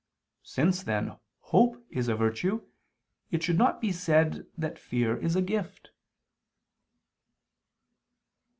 Since, then, hope is a virtue, it should not be said that fear is a gift.